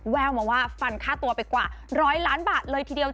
แววมาว่าฟันค่าตัวไปกว่าร้อยล้านบาทเลยทีเดียว